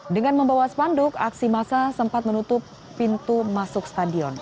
dengan membawa spanduk aksi masa sempat menutup pintu masuk stadion